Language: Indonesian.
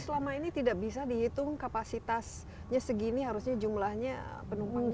jadi selama ini tidak bisa dihitung kapasitasnya segini harusnya jumlahnya penumpangnya